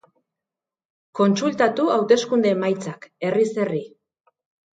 Kontsultatu hauteskunde emaitzak, herriz herri.